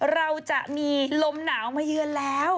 เราจะมีลมหนาวมาเยือนแล้ว